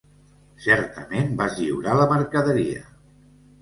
Certament vas lliurar la mercaderia.